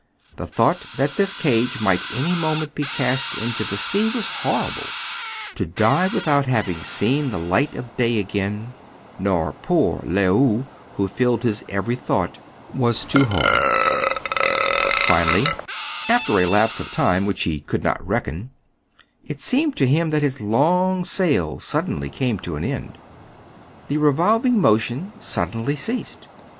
The thought that this cage might any moment be cast into the sea was horrible. To die without having seen the light of day again, nor poor Le ou, who filled his every thought, was too hard. Finally, after a lapse of time which he could 266 TRIBULATIONS OF A CHINAMAN. not reckon, it seemed to him that his long sail suddenly came to an end. The revolving motion suddenly ceased.